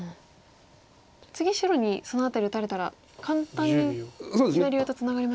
次白にその辺り打たれたら簡単に左上とツナがりますよね。